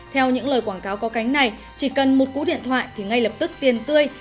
theo những lời quảng cáo có cánh này chỉ cần một cụ điện thoại thì ngay lập tức tiền tươi